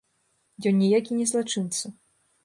Ён ніякі не злачынца.